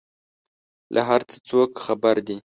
له هر څه څوک خبر دي؟